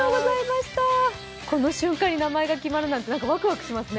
この瞬間に名前が決まるなんてワクワクしますね。